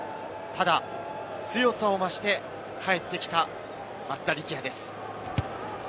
ただ強さを増して帰ってきた、松田力也です。